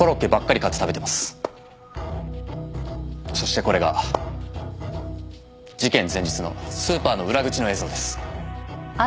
そしてこれが事件前日のスーパーの裏口の映像です。